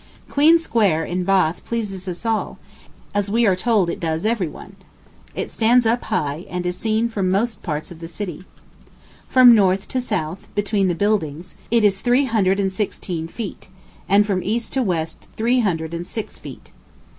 Queen Square, in Bath, pleases us all, as we are told it does every one. It stands up high, and is seen from most parts of the city. From north to south, between the buildings, if is three hundred and sixteen feet, and from east to west three hundred and six feet.